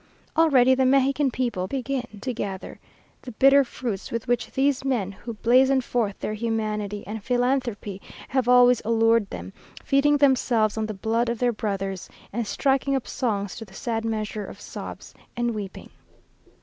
Already the Mexican people begin to gather the bitter fruits with which these men who blazon forth their humanity and philanthropy have always allured them, feeding themselves on the blood of their brothers, and striking up songs to the sad measure of sobs and weeping!"